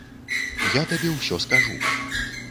Я табе ўсё скажу.